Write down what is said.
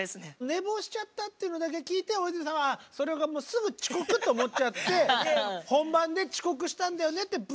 寝坊しちゃったっていうのだけ聞いて大泉さんはそれがもうすぐ遅刻と思っちゃって本番で「遅刻したんだよね」ってぶっこんでえらいことになった。